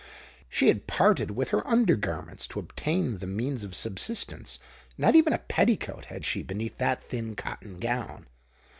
She had parted with her under garments to obtain the means of subsistence; not even a petticoat had she beneath that thin cotton gown!